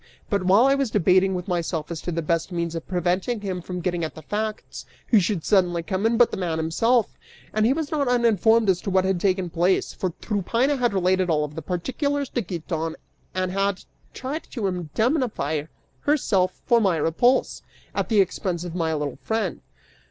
But while I was debating with myself as to the best means of preventing him from getting at the facts, who should suddenly come in but the man himself; and he was not uninformed as to what had taken place, for Tryphaena had related all the particulars to Giton and had tried to indemnify herself for my repulse, at the expense of my little friend.